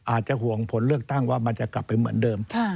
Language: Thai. อาจจะห่วงผลเลือกตั้งว่ามันจะกลับไปเหมือนเดิม